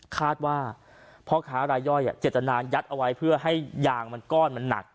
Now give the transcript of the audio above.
คาดว่าพ่อค้ารายย่อยเจตนายัดเอาไว้เพื่อให้ยางมันก้อนมันหนัก